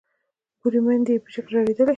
بورې میندې یې په چیغو ژړېدلې